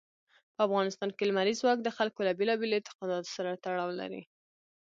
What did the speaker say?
په افغانستان کې لمریز ځواک د خلکو له بېلابېلو اعتقاداتو سره تړاو لري.